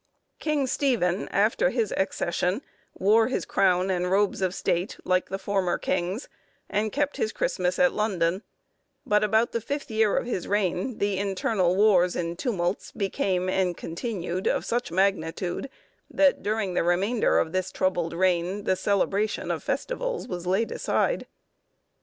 King Stephen, after his accession, wore his crown and robes of state like the former kings, and kept his Christmas at London; but about the fifth year of his reign, the internal wars and tumults became and continued of such magnitude, that during the remainder of this troubled reign, the celebration of festivals was laid aside.